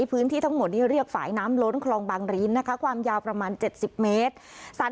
พื้นที่ทั้งหมดนี้เรียกฝ่ายน้ำล้นคลองบางริ้นนะคะความยาวประมาณ๗๐เมตร